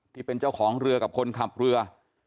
ที่เป็นเจ้าของเรือกับคนขับเรือ